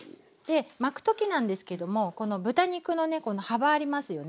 巻く時なんですけどもこの豚肉のねこの幅ありますよね。